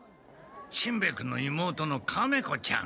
しんべヱ君の妹のカメ子ちゃん。